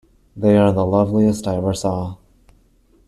They are the loveliest I ever saw.